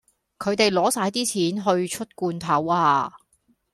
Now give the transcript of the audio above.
佢哋攞曬啲錢去出罐頭呀